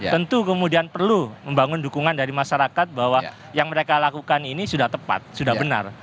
tentu kemudian perlu membangun dukungan dari masyarakat bahwa yang mereka lakukan ini sudah tepat sudah benar